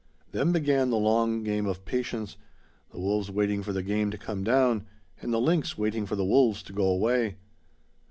Then began the long game of patience, the wolves waiting for the game to come down, and the lynx waiting for the wolves to go away.